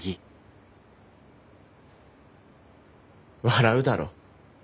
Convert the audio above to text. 笑うだろ。